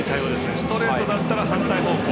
ストレートだったら反対方向。